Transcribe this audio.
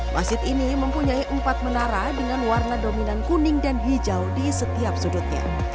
masjid ini mempunyai empat menara dengan warna dominan kuning dan hijau di setiap sudutnya